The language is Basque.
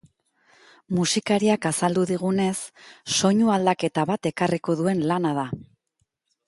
Musikariak azaldu digunez, soinu aldaketa bat ekarriko duen lana da.